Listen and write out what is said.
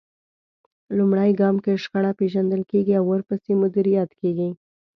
لومړی ګام کې شخړه پېژندل کېږي او ورپسې مديريت کېږي.